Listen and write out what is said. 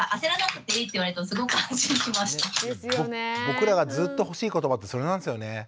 僕らがずっと欲しい言葉ってそれなんですよね。